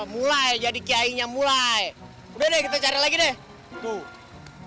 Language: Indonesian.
mulai jadi kiainya mulai udah deh kita cari lagi deh tuh